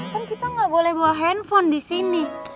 kan kita gak boleh bawa handphone disini